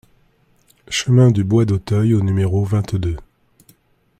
Chemin du Bois d'Auteuil au numéro vingt-deux